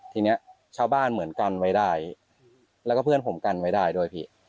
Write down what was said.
ทีนี้ชาวบ้านเหมือนกันไว้ได้แล้วก็เพื่อนผมกันไว้ได้ด้วยพี่